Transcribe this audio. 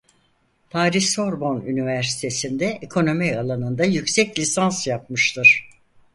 Paris-Sorbonne Üniversitesi'nde ekonomi alanında yüksek lisans yapmıştır.